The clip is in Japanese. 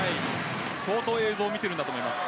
相当映像を見ているんだと思います。